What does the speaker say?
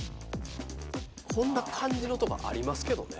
こんな感じのとこありますけどね。